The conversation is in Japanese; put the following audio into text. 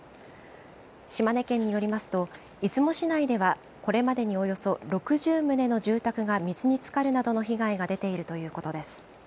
島根県によりますと、出雲市内では、これまでにおよそ６０棟の住宅が水につかるなどの被害が出ているということです。